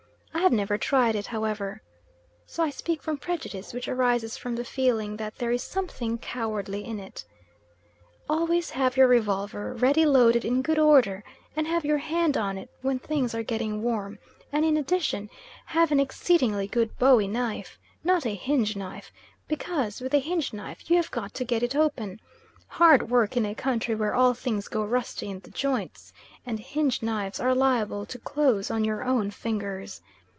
I have never tried it, however, so I speak from prejudice which arises from the feeling that there is something cowardly in it. Always have your revolver ready loaded in good order, and have your hand on it when things are getting warm, and in addition have an exceedingly good bowie knife, not a hinge knife, because with a hinge knife you have got to get it open hard work in a country where all things go rusty in the joints and hinge knives are liable to close on your own fingers.